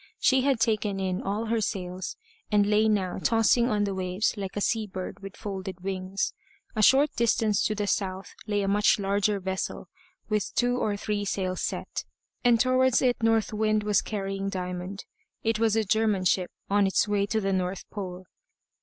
She had taken in all her sails and lay now tossing on the waves like a sea bird with folded wings. A short distance to the south lay a much larger vessel, with two or three sails set, and towards it North Wind was carrying Diamond. It was a German ship, on its way to the North Pole.